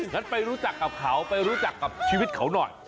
งั้นไปรู้จักกับเขาไปรู้จักกับชีวิตเขาหน่อย